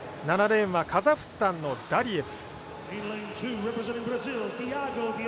７レーンはカザフスタンのダリエフ。